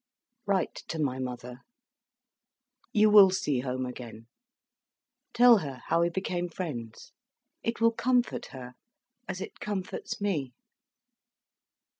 "Write to my mother. You will see Home again. Tell her how we became friends. It will comfort her, as it comforts me."